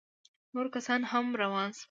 نور کسان هم روان سول.